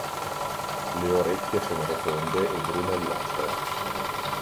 Le orecchie sono rotonde e bruno-olivastre.